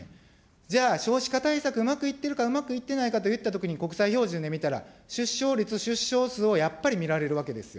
じゃあ少子化対策うまくいってるか、うまくいってないかといったときに、国際標準で見たら、出生率出生数をやっぱり見られるわけですよ。